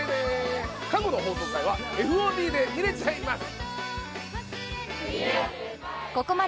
過去の放送回はＦＯＤで見れちゃいます。